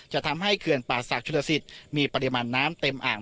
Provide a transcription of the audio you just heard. จะทำให้เขื่อนป่าศักดิชุลสิตมีปริมาณน้ำเต็มอ่าง